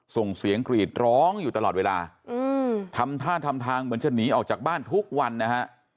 ส่งเสียงกรีดร้องอยู่ตลอดเวลาทำท่าทำทางเหมือนจะหนีออกจากบ้านทุกวันนะฮะ